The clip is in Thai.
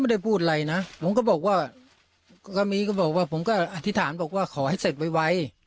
ไม่ได้พูดอะไรนะผมก็บอกว่าก็มีก็บอกว่าผมก็อธิษฐานบอกว่าขอให้เสร็จไว